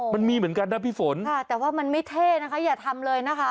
มันมีเหมือนกันนะพี่ฝนค่ะแต่ว่ามันไม่เท่นะคะอย่าทำเลยนะคะ